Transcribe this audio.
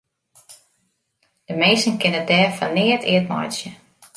De minsken kinne dêr fan neat eat meitsje.